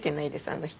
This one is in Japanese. あの人。